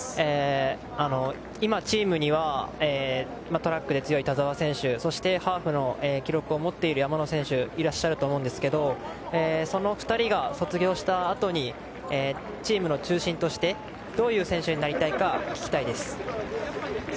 今、チームにはトラックで強い田澤選手そしてハーフの記録を持っている山野選手がいらっしゃると思うんですがその２人が卒業したあとにチームの中心としてどういう選手になりたいか聞きたいです。